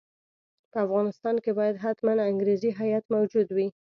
په افغانستان کې باید حتماً انګریزي هیات موجود وي.